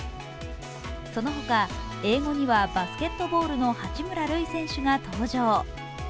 その他、英語にはバスケットボールの八村塁選手が登場。